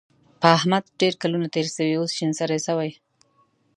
پر احمد ډېر کلونه تېر شوي دي؛ اوس شين سری شوی دی.